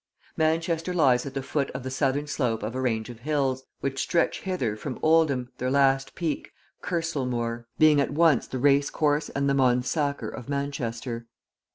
Manchester lies at the foot of the southern slope of a range of hills, which stretch hither from Oldham, their last peak, Kersallmoor, being at once the racecourse and the Mons Sacer of Manchester.